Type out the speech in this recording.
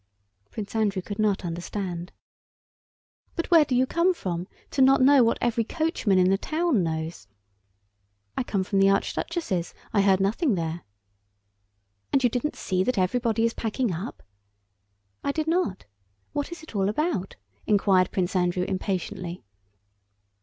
Prince Andrew could not understand. "But where do you come from not to know what every coachman in the town knows?" "I come from the archduchess'. I heard nothing there." "And you didn't see that everybody is packing up?" "I did not... What is it all about?" inquired Prince Andrew impatiently.